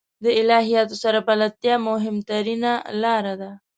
له الهیاتو سره بلدتیا مهمترینه لاره ده.